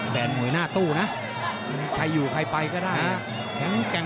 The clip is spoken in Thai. แดนมวยหน้าตู้นะใครอยู่ใครไปก็ได้